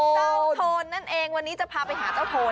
โทนนั่นเองวันนี้จะพาไปหาเจ้าโทน